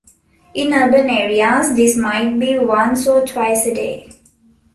In urban areas, this might be once or twice a day.